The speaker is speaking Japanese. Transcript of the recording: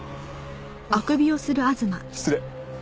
失礼。